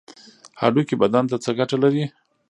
هډوکي بدن ته څه ګټه لري؟